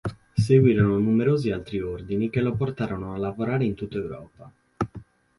Seguirono numerosi altri ordini che lo portarono a lavorare in tutta Europa.